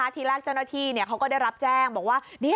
ทีแรกเจ้าหน้าที่เขาก็ได้รับแจ้งบอกว่า